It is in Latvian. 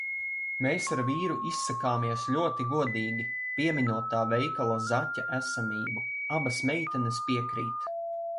Mēs ar vīru izsakāmies ļoti godīgi, pieminot tā veikala zaķa esamību. Abas meitenes piekrīt.